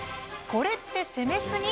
「これって攻めすぎ！？